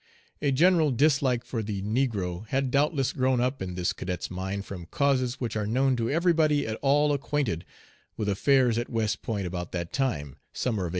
A general dislike for the negro had doubtless grown up in this cadet's mind from causes which are known to everybody at all acquainted with affairs at West Point about that time, summer of 1873.